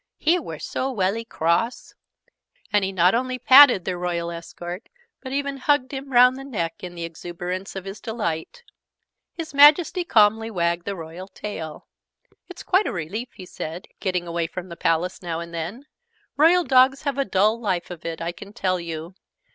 "He were so welly cross!" And he not only patted their Royal escort, but even hugged him round the neck in the exuberance of his delight. His Majesty calmly wagged the Royal tail. "It's quite a relief," he said, "getting away from that Palace now and then! Royal Dogs have a dull life of it, I can tell you!